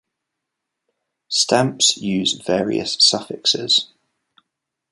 Stamps use various suffixes.